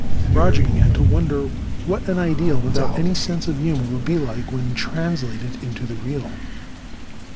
Roger began to wonder what an ideal without any sense of humour would be like when translated into the real.